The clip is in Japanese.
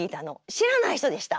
知らない人でした。